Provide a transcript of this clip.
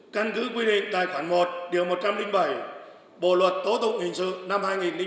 căn cứ quy định tài khoản một điều một trăm linh bảy bộ luật tố tụng hình sự năm hai nghìn một